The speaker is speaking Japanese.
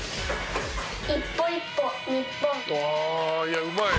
「おお！いやうまい。